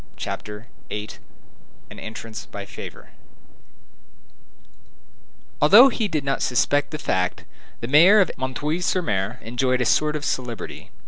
CHAPTER VIII—AN ENTRANCE BY FAVOR Although he did not suspect the fact, the mayor of M. sur M. enjoyed a sort of celebrity.